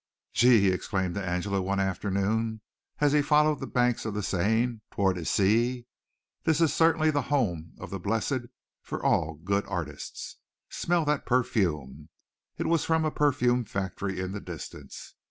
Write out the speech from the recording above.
"Gee," he exclaimed to Angela one afternoon as he followed the banks of the Seine toward Issy, "this is certainly the home of the blessed for all good artists. Smell that perfume. (It was from a perfume factory in the distance.)